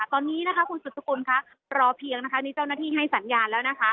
ตอนนี้คุณสุศกุลรอเพียงนี่เจ้าหน้าที่ให้สัญญาณแล้ว